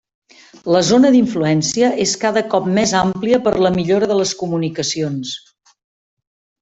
La zona d'influència és cada cop més àmplia per la millora de les comunicacions.